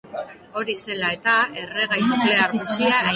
Hori zela eta, erregai nuklear guztia aintziran hedatu zen.